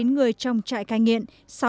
ba mươi chín người trong trại cai nghiện